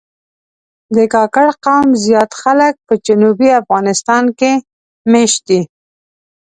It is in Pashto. د کاکړ قوم زیات خلک په جنوبي افغانستان کې مېشت دي.